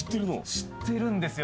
知ってるんですよ。